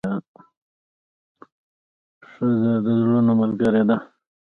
ښځه د زړونو ملګرې ده.